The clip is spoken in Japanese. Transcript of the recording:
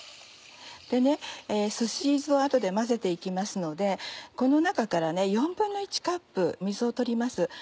すし酢を後で混ぜて行きますのでこの中から４分の１カップ水を取ります。